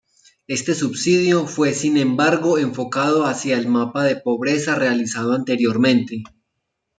Este subsidio fue sin embargo enfocado hacia el mapa de pobreza realizado anteriormente.